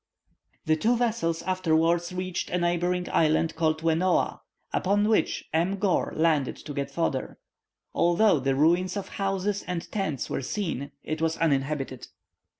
The two vessels afterwards reached a neighbouring island called Wenooa, upon which M. Gore landed to get fodder. Although the ruins of houses and tents were seen, it was uninhabited.